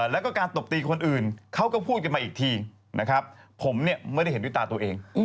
แล้วก็การตบตีคนอื่นเขาก็พูดกันมาอีกทีนะครับผมเนี่ยไม่ได้เห็นด้วยตาตัวเอง